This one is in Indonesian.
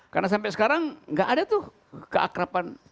karena sampai sekarang tidak ada keakrapan